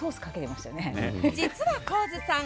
実は高津さん